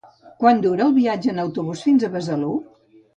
Quant dura el viatge en autobús fins a Besalú?